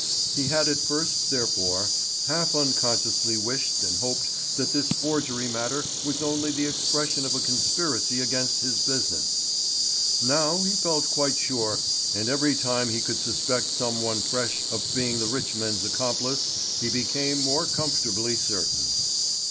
He had at first, therefore, half unconsciously wished and hoped that this forgery matter was only the expression of a conspiracy against his business. Now he felt quite sure, and every time he could suspect some one fresh of being the rich men's accomplice, he became more comfortably certain.